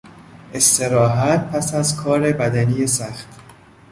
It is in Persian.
استراحت پس از کار بدنی سخت